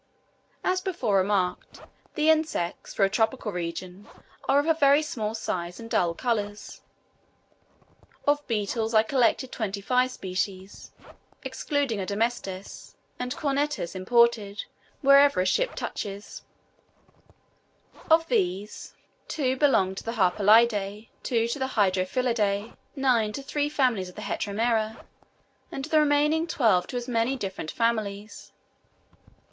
As before remarked, the insects, for a tropical region, are of very small size and dull colours. Of beetles I collected twenty five species (excluding a Dermestes and Corynetes imported, wherever a ship touches); of these, two belong to the Harpalidae, two to the Hydrophilidae, nine to three families of the Heteromera, and the remaining twelve to as many different families.